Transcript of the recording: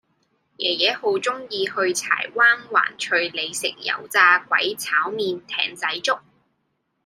爺爺好鍾意去柴灣環翠里食油炸鬼炒麵艇仔粥